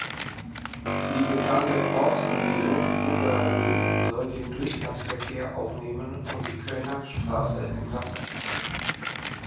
Die geplante Ortsumgehung Oberbilk soll den Durchgangsverkehr aufnehmen und die Kölner Straße entlasten.